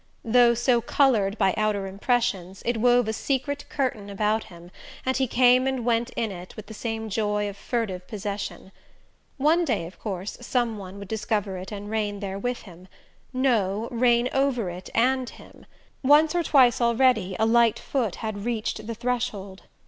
Though so coloured by outer impressions, it wove a secret curtain about him, and he came and went in it with the same joy of furtive possession. One day, of course, some one would discover it and reign there with him no, reign over it and him. Once or twice already a light foot had reached the threshold.